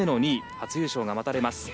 初優勝が待たれます。